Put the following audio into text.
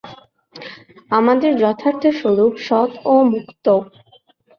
আমাদের যথার্থ স্বরূপ সৎ ও মুক্ত।